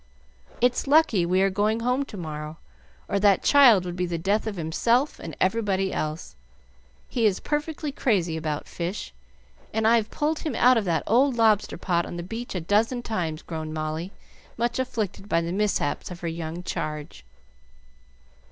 "It's lucky we are going home to morrow, or that child would be the death of himself and everybody else. He is perfectly crazy about fish, and I've pulled him out of that old lobster pot on the beach a dozen times," groaned Molly, much afflicted by the mishaps of her young charge.